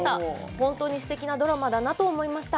本当にすてきなドラマだなと思いました。